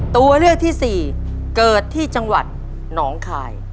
ตัวเลือกที่สี่เกิดที่จังหวัดหนองคาย